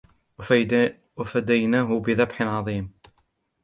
وفديناه بذبح عظيم